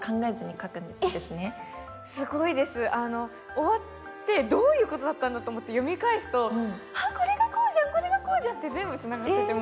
終わってどういうことだったんだと思って読み返すと、あ、これがこうじゃん、これがこうじゃんって全部つながって。